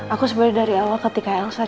aku sebenernya dari awal ketika elsa cintamu